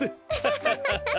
ハハハハハ！